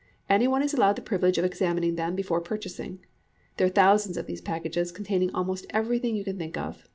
Any one is allowed the privilege of examining them before purchasing. There are thousands of these packages, containing almost everything you can think of.